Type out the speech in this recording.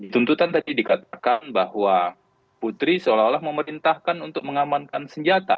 tuntutan tadi dikatakan bahwa putri seolah olah memerintahkan untuk mengamankan senjata